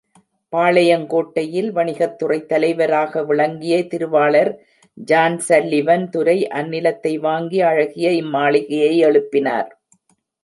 பாளையங்கோட்டையில் வணிகத்துறைத் தலைவராக விளங்கிய திருவாளர் ஜான்சல்லிவன் துரை, அந்நிலத்தை வாங்கி அழகிய இம்மாளிகையை எழுப்பினார்.